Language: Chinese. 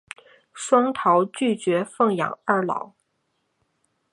双桃拒绝奉养二老。